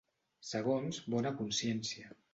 Segons bona consciència.